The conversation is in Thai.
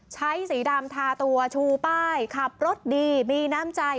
สีดำทาตัวชูป้ายขับรถดีมีน้ำใจ